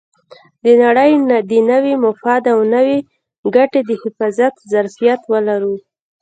د نړۍ د نوي مفاد او نوې ګټې د حفاظت ظرفیت ولرو.